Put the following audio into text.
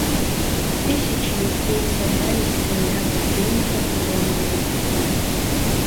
Тысячы людзей сабраліся каля будынка парламента.